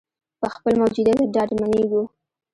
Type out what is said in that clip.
په خپل موجودیت ډاډمنېږو.